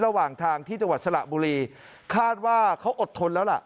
ระหว่างทางที่จังหวัดสระบุรีคาดว่าเขาอดทนแล้วล่ะ